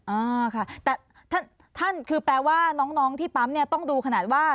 อ่าค่ะแต่ท่านคือแปลว่าน้องที่ปั๊มเนี่ยต้องดูขนาดว่า